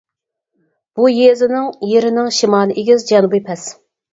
بۇ يېزىنىڭ يېرىنىڭ شىمالى ئېگىز، جەنۇبى پەس.